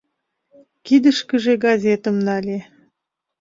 Кидышкыже газетым нале.